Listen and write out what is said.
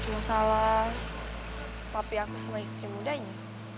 masalah tapi aku sama istri mudanya